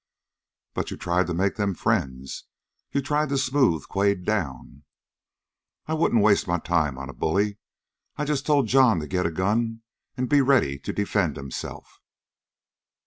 "But you tried to make them friends? You tried to smooth Quade down?" "I wouldn't waste my time on a bully! I just told John to get a gun and be ready to defend himself."